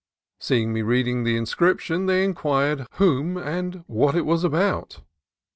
Seeing me reading the inscription, they inquired whom and what it was about.